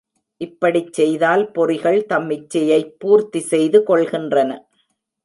இப்படிச் செய்தால் பொறிகள் தம் இச்சையைப் பூர்த்தி செய்து கொள்கின்றன.